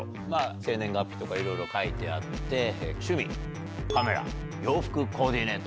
生年月日とか、いろいろ書いてあって、趣味、カメラ、洋服コーディネート。